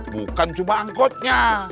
bukan cuma anggotnya